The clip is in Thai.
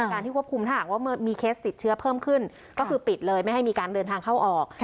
การที่ควบคุมถ้าหากว่ามีเคสติดเชื้อเพิ่มขึ้นก็คือปิดเลยไม่ให้มีการเดินทางเข้าออก